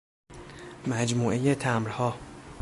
مجموعه تمبرها